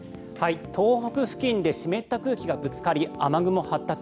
東北付近で湿った空気がぶつかり雨雲発達。